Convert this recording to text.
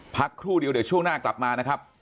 พักครู่เดียวเดี๋ยวช่วงหน้ากลับมานะครับ